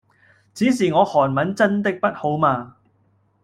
只是我韓文真的不好嘛